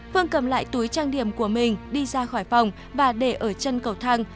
phương cầm lại túi trang điểm của mình đi ra khỏi phòng và để ở chân cầu thang